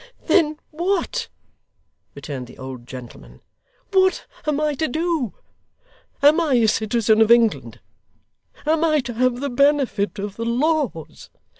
'Then what,' returned the old gentleman, 'what am I to do? Am I a citizen of England? Am I to have the benefit of the laws?